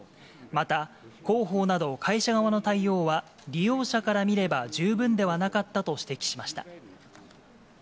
また、広報など会社側の対応は、利用者から見れば、十分ではなかったと指摘しました。